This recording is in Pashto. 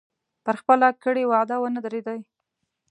پر خپله کړې وعده ونه درېدی.